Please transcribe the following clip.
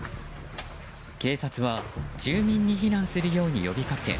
警察は住民に避難するように呼びかけ